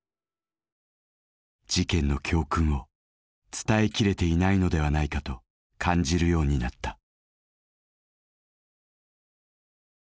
事件の教訓を伝えきれていないのではないかと感じるようになった。